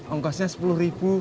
ongkosnya sepuluh ribu